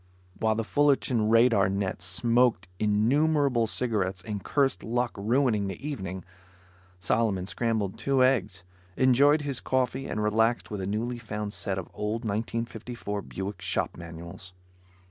While the Fullerton radar net smoked innumerable cigarettes and cursed luck ruining the evening, Solomon scrambled two eggs, enjoyed his coffee and relaxed with a newly found set of old 1954 Buick shop manuals.